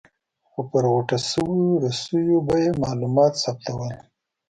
خو پر غوټه شویو رسیو به یې معلومات ثبتول.